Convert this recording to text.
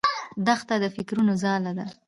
دښته د فکرو ځاله ده.